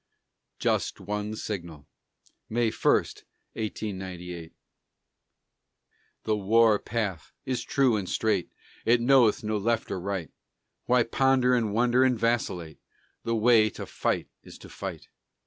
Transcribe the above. JUST ONE SIGNAL [May 1, 1898] The war path is true and straight, It knoweth no left or right; Why ponder and wonder and vacillate? The way to fight is to fight.